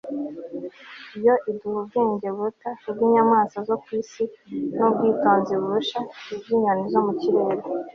yo iduha ubwenge buruta ubw'inyamaswa zo ku isi, n'ubwitonzi burusha ubw'inyoni zo mu kirere